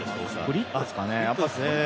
グリップですかね